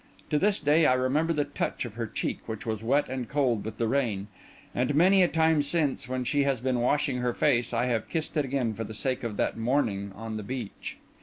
To this day I remember the touch of her cheek, which was wet and cold with the rain; and many a time since, when she has been washing her face, I have kissed it again for the sake of that morning on the beach.